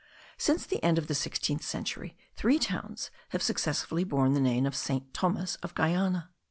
Since the end of the sixteenth century three towns have successively borne the name of St. Thomas of Guiana.